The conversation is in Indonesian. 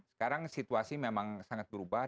sekarang situasi memang sangat berubah